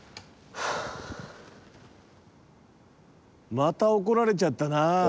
また怒られちゃったな。